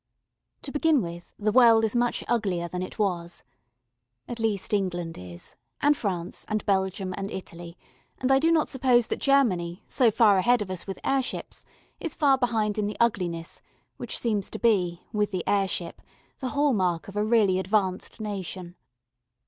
To begin with, the world is much uglier than it was. At least England is, and France, and Belgium, and Italy, and I do not suppose that Germany, so far ahead of us with airships, is far behind in the ugliness which seems to be, with the airship, the hall mark of a really advanced nation.